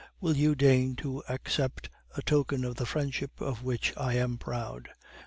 Will you deign to accept a token of the friendship of which I am proud?